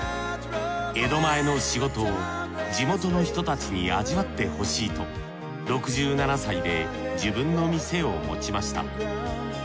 江戸前の仕事を地元の人たちに味わってほしいと６７歳で自分の店を持ちました。